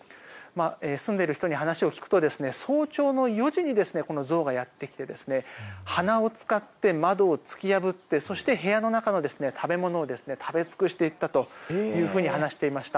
住んでいる人に話を聞くと早朝の４時にこのゾウがやってきて鼻を使って窓を突き破ってそして部屋の中の食べ物を食べ尽くしていったと話していました。